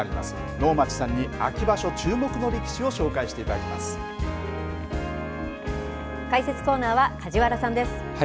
能町さんに秋場所注目の力士を解説コーナーは梶原さんです。